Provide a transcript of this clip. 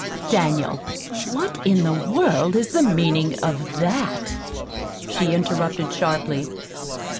"Daniel, what in the world is the meaning of that?" she interrupted sharply.